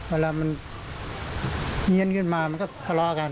เวลามันเหี้ยนขึ้นมามันก็ภร้ากัน